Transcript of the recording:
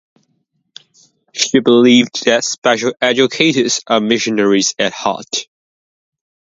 She believed that special educators are missionaries at heart.